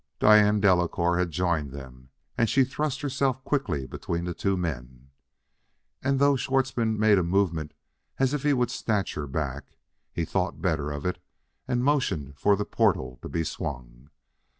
Diane Delacouer had joined them and she thrust herself quickly between the two men. And, though Schwartzmann made a movement as if he would snatch her back, he thought better of it and motioned for the portal to be swung.